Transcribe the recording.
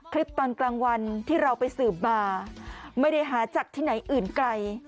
คลิปตอนกลางวันที่เราไปสืบมาไม่ได้หาจากที่ไหนอื่นไกล